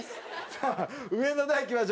さあ上の段いきましょうか。